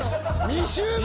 ２周目？